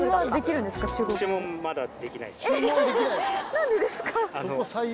何でですか？